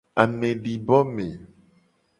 Amedibome.